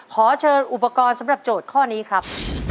ขอเชิญอุปกรณ์สำหรับโจทย์ข้อนี้ครับ